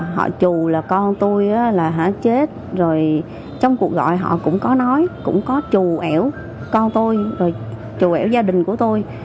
họ trù là con tôi chết trong cuộc gọi họ cũng có nói cũng có trù ẻo con tôi trù ẻo gia đình của tôi